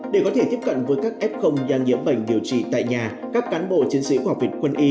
để có thể tiếp cận với các f đang nhiễm bệnh điều trị tại nhà các cán bộ chiến sĩ của học viện quân y